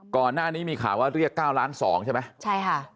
ก่อนหน้านี้มีข่าวว่าเรียกเก้าล้านสองใช่ไหมใช่ค่ะ